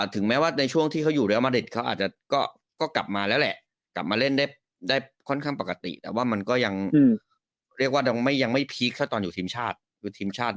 ถึงแม้ว่าในช่วงที่เขาอยู่เรียลมาริดเขาอาจจะก็กลับมาแล้วแหละกลับมาเล่นได้ค่อนข้างปกติแต่ว่ามันก็ยังเรียกว่ายังไม่พีคเท่าตอนอยู่ทีมชาติอยู่ทีมชาติ